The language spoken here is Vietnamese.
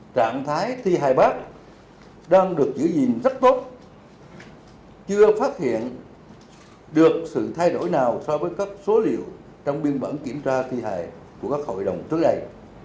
trạng thái thi hai bác đang được giữ gìn rất tốt chưa phát hiện được sự thay đổi nào so với các số liệu trong biên bản kiểm tra thi hài của các hội đồng trước đây